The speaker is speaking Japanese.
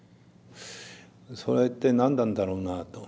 それって何なんだろうなと。